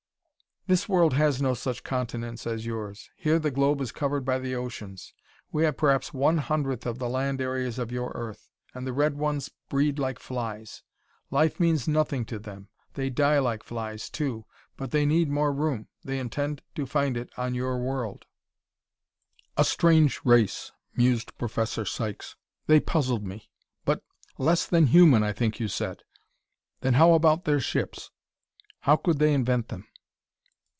"This world has no such continents as yours. Here the globe is covered by the oceans; we have perhaps one hundredth of the land areas of your Earth And the red ones breed like flies. Life means nothing to them; they die like flies, too. But they need more room; they intend to find it on your world." "A strange race," mused Professor Sykes. "They puzzled me. But 'less than human,' I think you said. Then how about their ships? How could they invent them?"